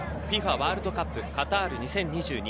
ワールドカップカタール２０２２